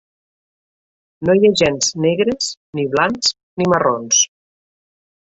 No hi ha gens «negres», ni «blancs» ni «marrons».